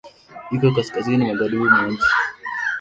Iko kaskazini magharibi mwa nchi.